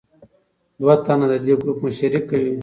دوه تنه د دې ګروپ مشري کوي.